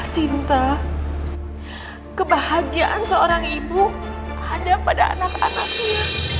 cinta kebahagiaan seorang ibu ada pada anak anaknya